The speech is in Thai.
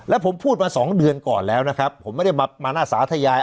แล้วผมพูดมาสองเดือนก่อนแล้วนะครับผมไม่ได้มาหน้าสาธยาย